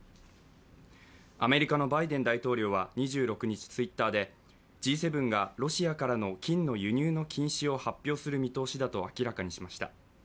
アメリカのバイデン大統領は２６日、ＴｗｉｔｔｅｒでＧ７がロシアからの金の輸入の禁止を発表する見通しだと明らかにしました。